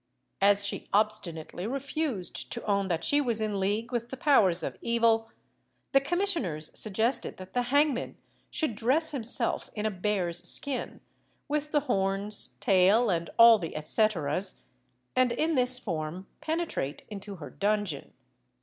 As she obstinately refused to own that she was in league with the powers of evil, the commissioners suggested that the hangman should dress himself in a bear's skin, with the horns, tail, and all the et ceteras, and in this form penetrate into her dungeon.